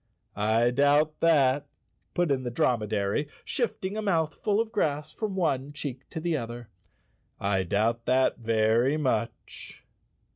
"I doubt that," put in the dromedary, shifting a mouthful of grass from one cheek to the other, "I doubt that very much."